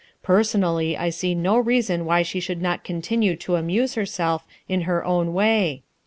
Personally, I see no reason why she should not continue to amuse herself in her own way.